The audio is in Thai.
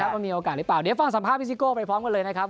ว่ามีโอกาสหรือเปล่าเดี๋ยวฟังสัมภาษณ์พี่ซิโก้ไปพร้อมกันเลยนะครับ